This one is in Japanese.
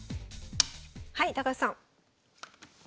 はい高橋さん。